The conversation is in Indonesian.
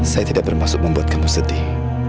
saya tidak bermaksud membuat kamu sedih